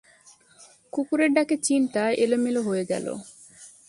কুকুরের ডাকে চিন্তা এলোমেলো হয়ে গেল।